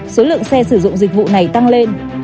số lượng xe sử dụng dịch vụ này tăng lên